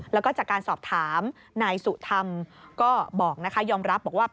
แล้วก็จากการสอบถามนายสุธรรมก็ยอมรับว่า